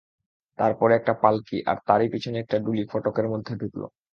তার পরে একটা পাল্কি আর তারই পিছনে একটা ডুলি ফটকের মধ্যে ঢুকল।